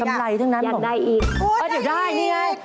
กำไรทั้งนั้นผมอยากได้อีกได้อีกโอ้โฮได้อีก